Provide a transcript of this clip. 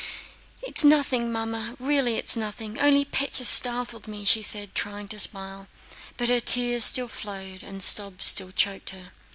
"It's nothing, Mamma, really it's nothing; only Pétya startled me," she said, trying to smile, but her tears still flowed and sobs still choked her.